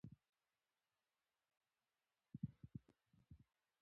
ماشوم باید د خپل عمر سره سم مسوولیت واخلي.